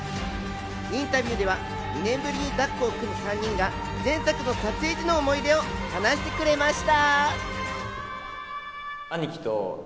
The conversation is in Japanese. インタビューでは２年ぶりにタッグを組む３人が前作の撮影時の思い出を話してくれました。